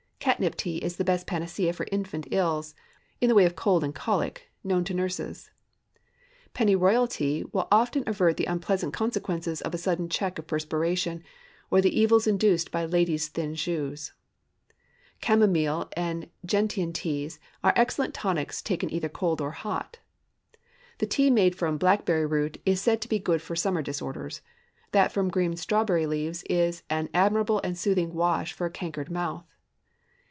Catnip tea is the best panacea for infant ills, in the way of cold and colic, known to nurses. Pennyroyal tea will often avert the unpleasant consequences of a sudden check of perspiration, or the evils induced by ladies' thin shoes. Chamomile and gentian teas are excellent tonics taken either cold or hot. The tea made from blackberry root is said to be good for summer disorders. That from green strawberry leaves is an admirable and soothing wash for a cankered mouth.